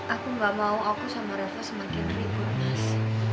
aku gak mau aku sama revo semakin ribut mas